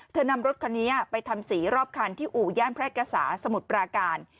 นำรถคันนี้ไปทำสีรอบคันที่อู่ย่านแพร่กษาสมุทรปราการ